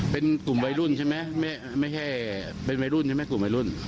เป็นกลุ่มวัยรุ่นใช่ไหมไม่ใช่เป็นวัยรุ่นใช่ไหมกลุ่มวัยรุ่น